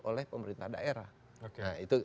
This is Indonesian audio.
oleh pemerintah daerah oke itu